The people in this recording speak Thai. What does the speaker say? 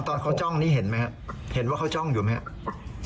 ตอนเขาจ้องนี้เห็นไหมครับเห็นว่าเขาจ้องอยู่ไหมครับ